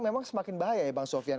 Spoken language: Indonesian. memang semakin bahaya ya bang sofian